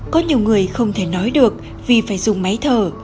có nhiều người không thể nói được vì phải dùng máy thở